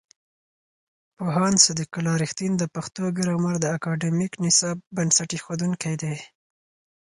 پوهاند صدیق الله رښتین د پښتو ګرامر د اکاډمیک نصاب بنسټ ایښودونکی دی.